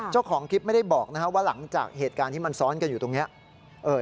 เจ้าของคลิปไม่ได้บอกว่าหลังจากเหตุการณ์ที่มันซ้อนกันอยู่ตรงนี้